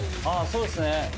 そうですね